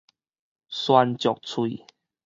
璇石喙